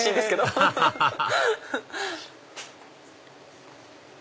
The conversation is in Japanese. アハハハ！